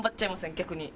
逆に。